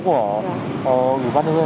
của ubnd tp ban hành đấy